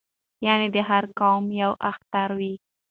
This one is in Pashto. یعنې د هر قوم یو اختر وي